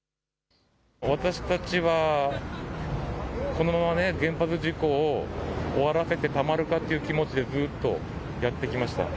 私たちはこのまま原発事故を終わらせてたまるかという気持ちでずっとやってきました。